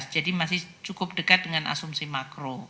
jadi masih cukup dekat dengan asumsi makro